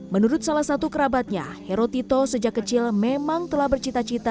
menurut salah satu kerabatnya herotito sejak kecil memang telah bercita cita